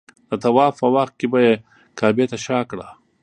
د طواف په وخت به یې کعبې ته شا کړه.